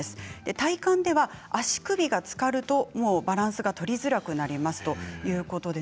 体感では足首がつかるとバランスが取りづらくなりますということです。